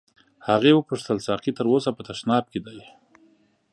هغې وپوښتل ساقي تر اوسه په تشناب کې دی.